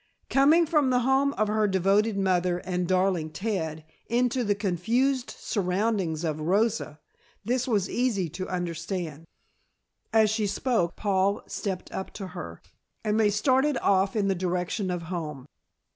Coming from the home of her devoted mother and darling Ted into the confused surroundings of Rosa, this was easy to understand. As she spoke Paul stepped up to her, and they started off in the direction of home.